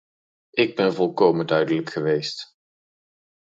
Ik ben volkomen duidelijk geweest.